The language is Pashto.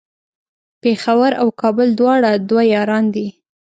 پیښور او کابل دواړه دوه یاران دی